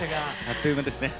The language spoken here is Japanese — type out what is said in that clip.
あっという間ですね。